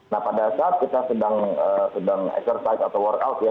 nah pada saat kita sedang exercise atau warkout ya